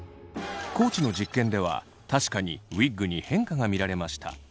地の実験では確かにウィッグに変化が見られました。